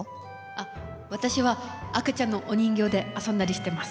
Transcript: あっ私は赤ちゃんのお人形で遊んだりしてます。